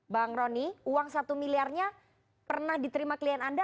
bang roni uang satu miliarnya pernah diterima klien anda